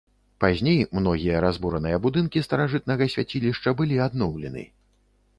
Пазней многія разбураныя будынкі старажытнага свяцілішча былі адноўлены.